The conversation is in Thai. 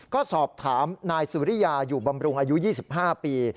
ก็สอบถามนายสุริยาอยู่บำรุงอายุ๒๕ปี